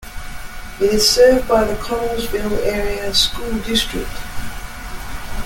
It is served by the Connellsville Area School District.